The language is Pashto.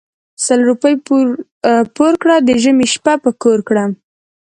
سل روپی پور کړه د ژمي شپه په کور کړه .